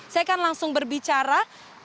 saya akan langsung berbicara